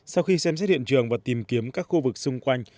sau khi xem xét hiện trường và tìm kiếm các khu vực xung quanh